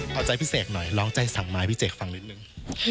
เอาใจพี่เสกหน่อยร้องใจสั่งมาให้พี่เสกฟังนิดนึง